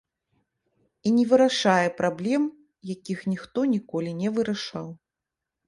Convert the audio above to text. І не вырашае праблем, якіх ніхто ніколі не вырашаў.